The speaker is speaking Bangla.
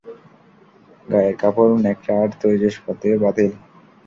গায়ের কাপড়, ন্যাকড়া আর তৈজসপাতিও বাতিল।